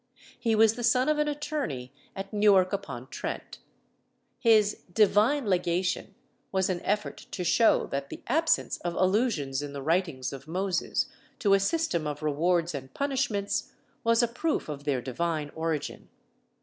He was the son of an attorney at Newark upon Trent. His Divine Legation was an effort to show that the absence of allusions in the writings of Moses to a system of rewards and punishments was a proof of their divine origin.